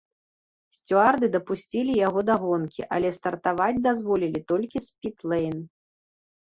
Сцюарды дапусцілі яго да гонкі, але стартаваць дазволілі толькі з піт-лэйн.